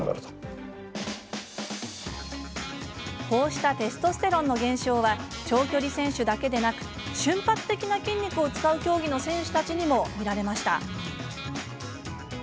こういったテストステロンの減少は長距離選手だけでなく瞬発的な筋肉を使う競技の選手たちにも見られました。